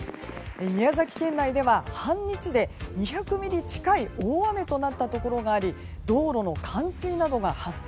宮崎県内では半日で２００ミリ近い大雨となったところがあり道路の冠水などが発生。